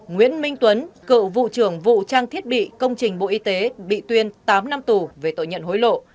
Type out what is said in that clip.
nguyễn minh tuấn cựu vụ trưởng vụ trang thiết bị công trình bộ y tế bị tuyên tám năm tù về tội nhận hối lộ